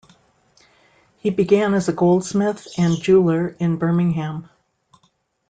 He began as a goldsmith and jeweller in Birmingham.